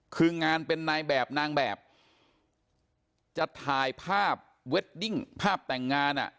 คืองานเป็นนายแบบนางแบบจะถ่ายภาพเวดดิ้งภาพแต่งงานอ่ะ